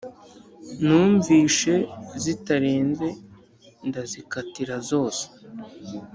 Numvishe zitarenze ndazikatira zose